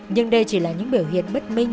nhưng đây chỉ là những biểu hiện bất minh